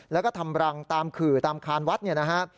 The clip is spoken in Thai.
แล้วก็ทำรังตามขื่อตามคานวัดเนี่ยนะฮะ